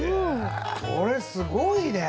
これすごいね！